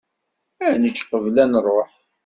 Ad nečč qbel ad nruḥ.